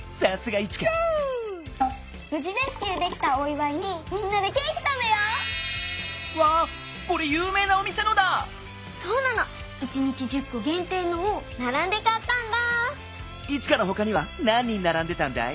イチカのほかにはなん人ならんでたんだい？